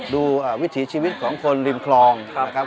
วิถีชีวิตของคนริมคลองนะครับ